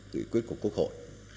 nghị quyết của quốc hội